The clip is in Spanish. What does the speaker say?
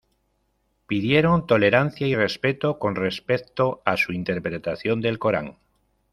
Pidieron tolerancia y respeto con respecto a su interpretación del Corán.